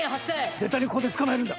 絶対にここで捕まえるんだ！